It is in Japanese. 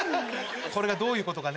これがどういうことか。